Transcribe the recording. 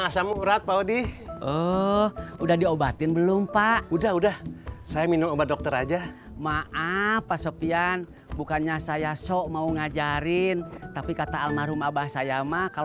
sampai jumpa di video selanjutnya